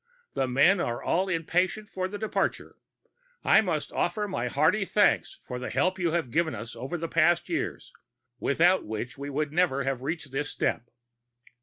The men are all impatient for the departure. I must offer my hearty thanks for the help you have given us over the past years, without which we would never have reached this step.